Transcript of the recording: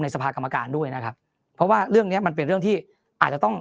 สภากรรมการด้วยนะครับเพราะว่าเรื่องเนี้ยมันเป็นเรื่องที่อาจจะต้อง